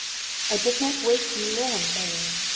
I did not wait you long, my own